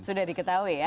sudah diketahui ya